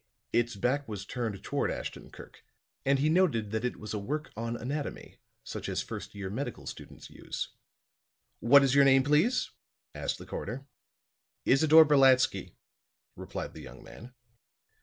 Its back was turned toward Ashton Kirk and he noted that it was a work on anatomy such as first year medical students use. "What is your name, please?" asked the coroner. "Isidore Brolatsky," replied the young man.